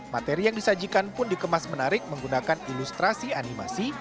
materi yang disajikan pun dikemas menarik menggunakan ilustrasi animasi